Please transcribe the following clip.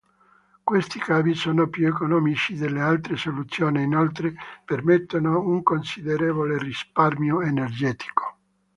Questi cavi sono più economici delle altre soluzioni inoltre permettono un considerevole risparmio energetico.